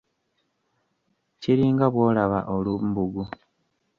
Kiringa bw'olaba olumbugu.